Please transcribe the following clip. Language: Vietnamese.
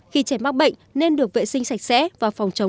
khi trẻ mắc bệnh nên được vệ sinh sạch sẽ và phòng chống lây lan ra cộng đồng